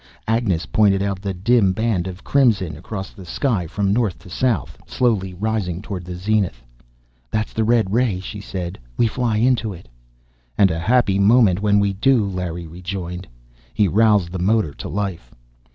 Agnes pointed out the dim band of crimson across the sky, from north to south, slowly rising toward the zenith. "That's the red ray," she said. "We fly into it." "And a happy moment when we do," Larry rejoined. He roused the motor to life.